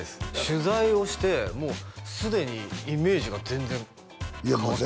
取材をしてもうすでにイメージが全然変わってます